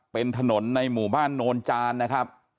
เป็นถนนในหมู่บ้านโนนจานนะครับ